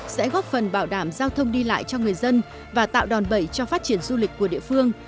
sẽ góp phần bảo đảm giao thông đi lại cho người dân và tạo đòn bẩy cho phát triển du lịch của địa phương